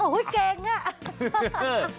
โอ้เก่งน่ะ